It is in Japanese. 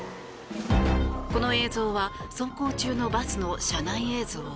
この映像は走行中のバスの車内映像。